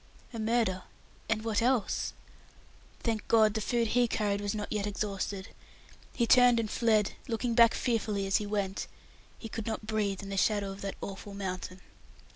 A murder! and what else? Thank God the food he carried was not yet exhausted! He turned and fled, looking back fearfully as he went. He could not breathe in the shadow of that awful mountain.